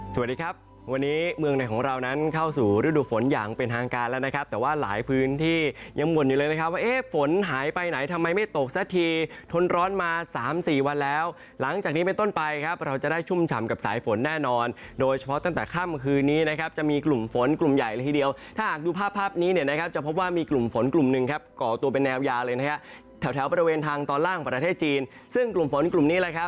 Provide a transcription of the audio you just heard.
สวัสดีครับวันนี้เมืองในของเรานั้นเข้าสู่ฤดูฝนอย่างเป็นทางการแล้วนะครับแต่ว่าหลายพื้นที่ยังหม่นอยู่เลยนะครับว่าเอ๊ะฝนหายไปไหนทำไมไม่ตกสักทีทนร้อนมาสามสี่วันแล้วหลังจากนี้เป็นต้นไปครับเราจะได้ชุ่มฉ่ำกับสายฝนแน่นอนโดยเฉพาะตั้งแต่ข้ามคืนนี้นะครับจะมีกลุ่มฝนกลุ่มใหญ่ละทีเดียวถ้าหากดู